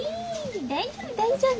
大丈夫大丈夫。